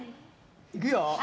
いくよ！